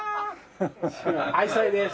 愛妻です。